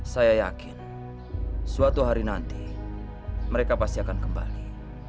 saya yakin suatu hari nanti mereka pasti akan kembali